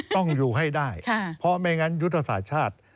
ต้องอยู่ให้ได้เพราะไม่งั้นยุทธศาสตร์ชาติ